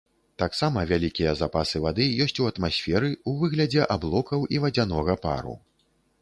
Таксама вялікія запасы вады ёсць у атмасферы, у выглядзе аблокаў і вадзянога пару.